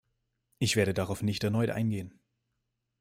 Ich werde darauf nicht erneut eingehen.